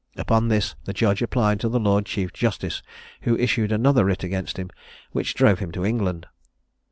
Upon this the judge applied to the lord chief justice, who issued another writ against him, which drove him to England.